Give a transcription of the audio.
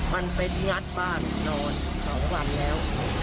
มันไปงัดบ้านนอนของหนังแล้ว